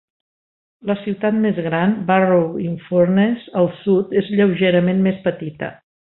La ciutat més gran, Barrow-in-Furness, al sud, és lleugerament més petita.